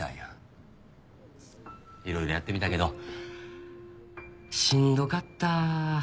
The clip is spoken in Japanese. いろいろやってみたけどしんどかった。